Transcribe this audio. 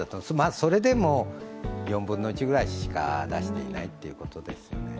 それでも４分の１ぐらいしか出していないということですよね。